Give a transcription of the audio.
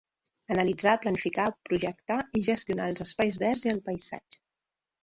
Analitzar, planificar, projectar i gestionar els Espais verds i el Paisatge.